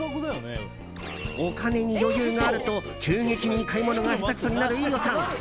お金に余裕があると急激に買い物がへたくそになる飯尾さん。